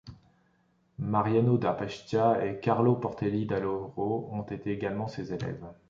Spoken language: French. Mariano da Pescia et Carlo Portelli da Loro ont été également ses élèves.